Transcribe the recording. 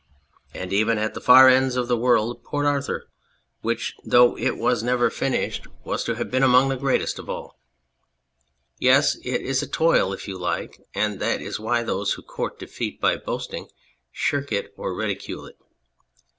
And even, at the far ends of the world, Port Arthur, which, though it was never finished^ 240 The Fortress was to have been among the greatest of all. Yes, it is a toil if you like, and that is why those who court defeat by boasting shirk it or ridicule it."